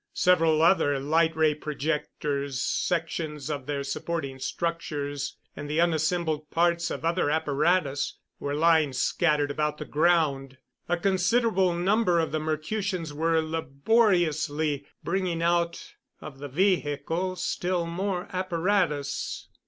Several other light ray projectors, sections of their supporting structures, and the unassembled parts of other apparatus, were lying scattered about the ground. A considerable number of the Mercutians were laboriously bringing out of the vehicle still more apparatus.